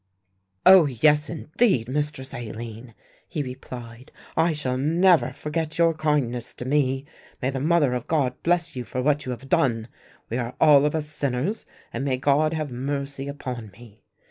"Oh, yes, indeed, Mistress Aline," he replied, "I shall never forget your kindness to me. May the Mother of God bless you for what you have done. We are all of us sinners and may God have mercy upon me."